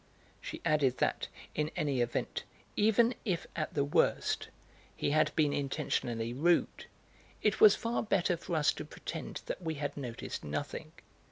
She added that; in any event, even if, at the worst, he had been intentionally rude, it was far better for us to pretend that we had noticed nothing.